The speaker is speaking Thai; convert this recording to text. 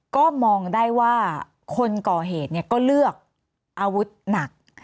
ก็มองได้ว่าคนก่อเหตุก็เลือกอาวุธหนัก